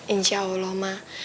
insya allah ma